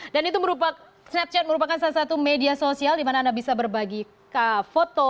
dan itu merupakan snapchat merupakan salah satu media sosial di mana anda bisa berbagi foto